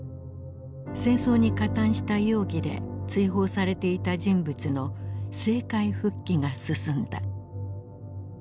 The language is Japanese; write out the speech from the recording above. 戦争に加担した容疑で追放されていた人物の政界復帰が進んだ。